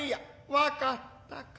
分かったか。